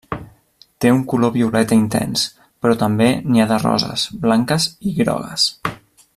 Té un color violeta intens, però també n'hi ha de roses, blanques i grogues.